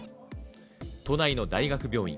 都内の大学病院。